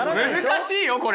難しいよこれ！